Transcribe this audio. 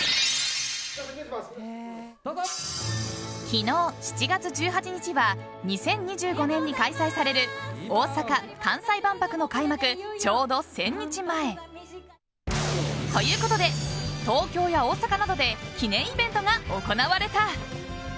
昨日、７月１８日は２０２５年に開催される大阪・関西万博の開幕ちょうど１０００日前。ということで、東京や大阪などで記念イベントが行われた。